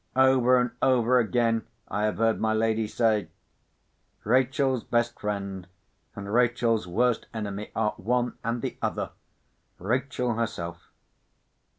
Over and over again I have heard my lady say, "Rachel's best friend and Rachel's worst enemy are, one and the other—Rachel herself."